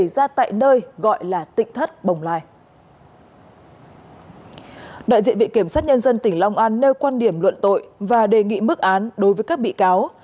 đại diện viện kiểm sát nhân dân tỉnh long an nêu quan điểm luận tội và đề nghị mức án đối với các bị cáo